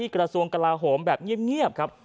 กระทรวงกลาโหมแบบเงียบครับ